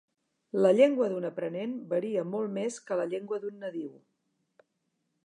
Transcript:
La llengua d'un aprenent varia molt més que la llengua d'un nadiu.